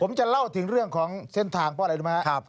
ผมจะเล่าถึงเรื่องของเส้นทางเพราะอะไรรู้ไหมครับ